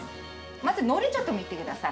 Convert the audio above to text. まずのり、ちょっと見てください。